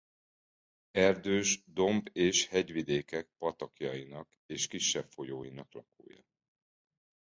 Erdős domb- és hegyvidékek patakjainak és kisebb folyóinak lakója.